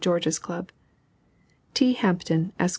GEORGE'S CLUB. T. HAMPTON, ESQ.